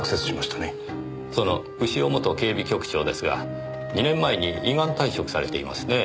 その潮元警備局長ですが２年前に依願退職されていますね。